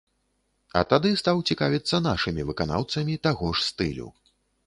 А тады стаў цікавіцца нашымі выканаўцамі таго ж стылю.